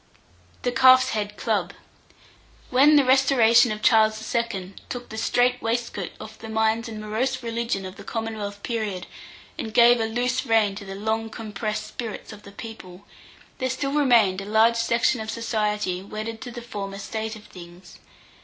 THE CALF'S HEAD CLUB. When the restoration of Charles II. took the strait waistcoat off the minds and morose religion of the Commonwealth period, and gave a loose rein to the long compressed spirits of the people, there still remained a large section of society wedded to the former state of things.